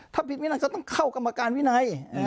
ถ้าผิดวินัยก็ต้องเข้ากรรมการวินัย